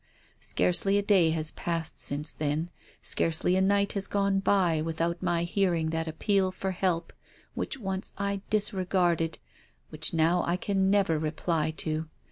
Scarcely a day has passed since then, scarcely a night has gone by without my hearing that appeal for help which once I dis regarded, which now I can never reply to.